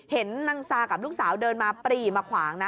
เห็นนางซากับลูกสาวเดินมาปรีมาขวางนะ